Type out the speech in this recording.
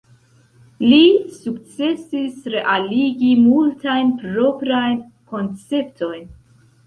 Li sukcesis realigi multajn proprajn konceptojn.